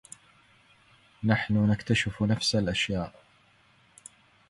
نحن نكتشف نفس الأشياء.